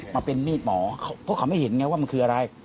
มาเป็นมีดหมอเพราะเขาไม่เห็นไงว่ามันคืออะไร